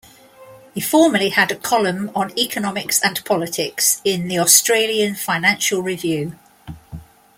He formerly had a column, on economics and politics, in "The Australian Financial Review".